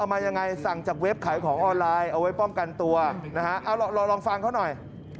มายังไงสั่งจากเว็บขายของออนไลน์เอาไว้ป้องกันตัวนะฮะเอาลองฟังเขาหน่อย